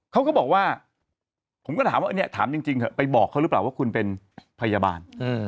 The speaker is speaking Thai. เขาก็บอกว่าผมก็ถามว่าเนี่ยถามจริงเถอะไปบอกเขาหรือเปล่าว่าคุณเป็นพยาบาล